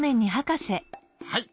はい。